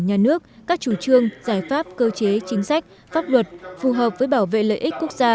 nhà nước các chủ trương giải pháp cơ chế chính sách pháp luật phù hợp với bảo vệ lợi ích quốc gia